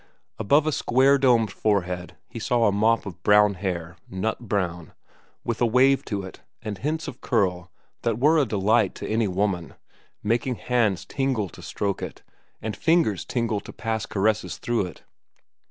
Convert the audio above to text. Above a square domed forehead he saw a mop of brown hair, nut brown, with a wave to it and hints of curls that were a delight to any woman, making hands tingle to stroke it and fingers tingle to pass caresses through it.